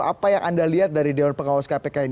apa yang anda lihat dari dewan pengawas kpk ini